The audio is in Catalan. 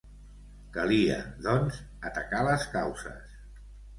Calia, doncs, atacar les causes.